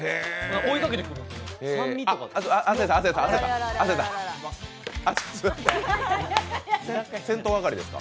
追いかけてくるんです。